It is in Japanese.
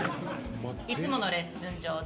いつものレッスン場で。